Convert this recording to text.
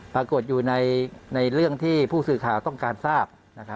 ปรากฏอยู่ในเรื่องที่ผู้สื่อข่าวต้องการทราบ